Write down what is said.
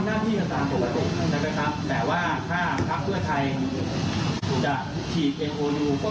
กรรมการเตรียมฐานเพื่อเขาตกเข้ามาชุมมา